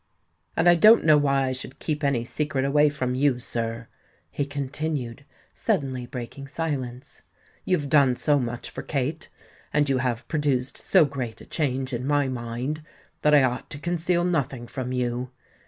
"And I don't know why I should keep any secret away from you, sir," he continued, suddenly breaking silence; "you have done so much for Kate, and you have produced so great a change in my mind, that I ought to conceal nothing from you.